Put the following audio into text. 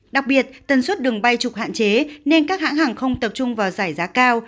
đặc biệt tần suất đường bay trục hạn chế nên các hãng hàng không tập trung vào giải giá cao